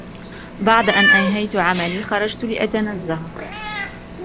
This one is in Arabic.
بعد أن أنهيت عملي، خرجت لأتنزه.